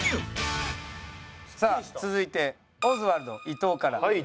さあ続いてオズワルド伊藤から。